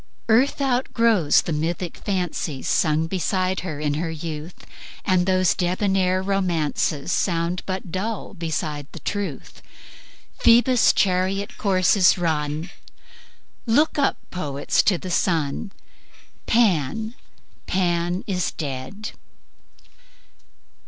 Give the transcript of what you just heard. "Earth outgrows the mythic fancies Sung beside her in her youth; And those debonaire romances Sound but dull beside the truth. Phoebus' chariot course is run! Look up, poets, to the sun! Pan, Pan is dead."